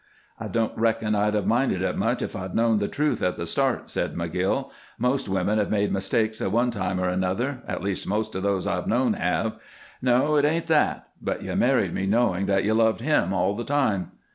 "I don't reckon I'd have minded it much if I'd known the truth at the start," said McGill. "Most women have made mistakes at one time or another, at least most of those I've known have. No, it ain't that, but you married me knowing that you loved him all the time."